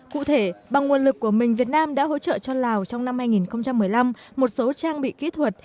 cụ thể bằng nguồn lực của mình việt nam đã hỗ trợ cho lào trong năm hai nghìn một mươi năm một số trang bị kỹ thuật